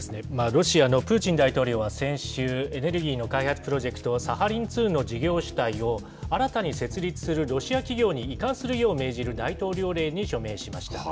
ロシアのプーチン大統領は先週、エネルギーの開発プロジェクト、サハリン２の事業主体を、新たに設立するロシア企業に移管するよう命じる大統領令に署名しました。